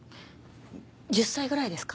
１０歳ぐらいですか？